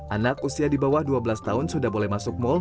anak usia di bawah dua belas tahun sudah boleh masuk mal